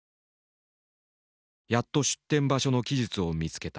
やっと出店場所の記述を見つけた。